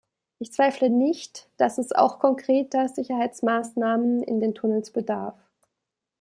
Ich zweifle nicht, dass es auch konkreter Sicherheitsmaßnahmen in den Tunnels bedarf.